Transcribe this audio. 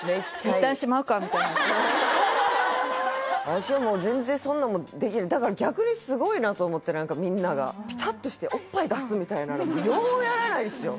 私はもう全然そんなんもだから逆にすごいなと思って何かみんながピタッとしておっぱい出すみたいなのようやらないですよ